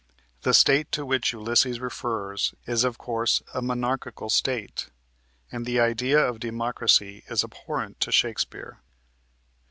The State to which Ulysses refers is of course a monarchical State, and the idea of democracy is abhorrent to Shakespeare.